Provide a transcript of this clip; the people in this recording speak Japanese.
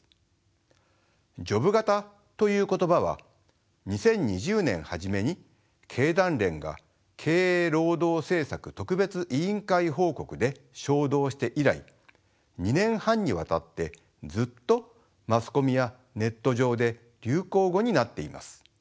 ジョブ型という言葉は２０２０年初めに経団連が「経営労働政策特別委員会報告」で唱道して以来２年半にわたってずっとマスコミやネット上で流行語になっています。